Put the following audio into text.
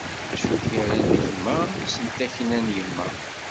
D acu i k-irran d gma, a mmi-s n takna n yemma?